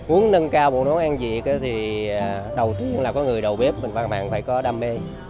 muốn nâng cao bộ nấu ăn việt thì đầu tiên là có người đầu bếp và bạn phải có đam mê